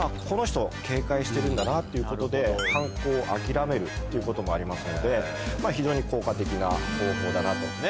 この人警戒してるんだなっていうことで犯行を諦めるっていうこともありますのでまぁ非常に効果的な方法だなと。